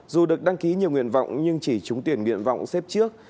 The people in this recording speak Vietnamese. dù được đăng ký nhiều nguyện vọng nhưng chỉ trúng tuyển nguyện vọng xếp trước